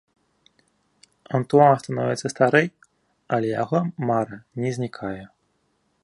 Антуан становіцца старэй, але яго мара не знікае.